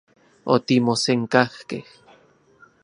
Otimosenkajkej.